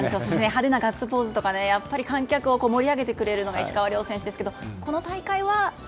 派手なガッツポーズとか観客を盛り上げてくれるのが石川遼選手ですが、この大会は。